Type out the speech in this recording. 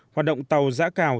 hoạt động tàu giã cào